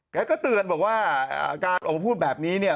แกก็เตือนบอกว่าการออกมาพูดแบบนี้เนี่ย